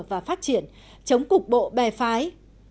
và phát triển chống cục bộ bè phái